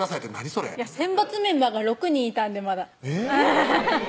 それ選抜メンバーが６人いたんでまだえっ？